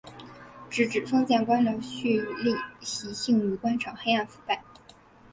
直指封建官僚胥吏习性与官场黑暗腐败。